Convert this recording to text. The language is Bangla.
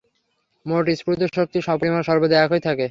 মোট স্ফূর্ত শক্তির পরিমাণ সর্বদা একই থাকে।